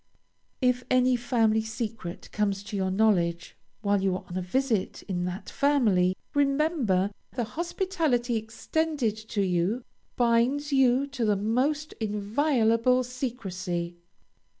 If any family secret comes to your knowledge while you are on a visit in that family, remember the hospitality extended to you binds you to the most inviolable secrecy.